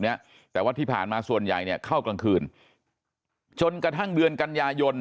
เนี้ยแต่ว่าที่ผ่านมาส่วนใหญ่เนี่ยเข้ากลางคืนจนกระทั่งเดือนกันยายน